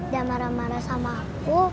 dan marah marah sama aku